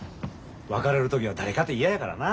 別れる時は誰かて嫌やからな。